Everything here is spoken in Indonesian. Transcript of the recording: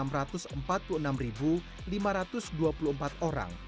provinsi dki jakarta mencatat rata rata ada enam ratus empat puluh enam lima ratus dua puluh empat orang